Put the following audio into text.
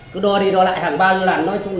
cứ đo đi đo lại hàng bao giờ lần thôi